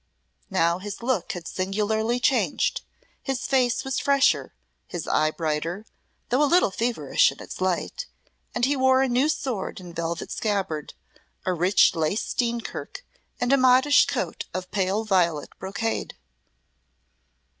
Now his look had singularly changed, his face was fresher, his eye brighter, though a little feverish in its light, and he wore a new sword and velvet scabbard, a rich lace steenkirk, and a modish coat of pale violet brocade.